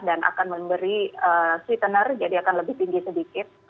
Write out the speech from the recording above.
dan akan memberi sweetener jadi akan lebih tinggi sedikit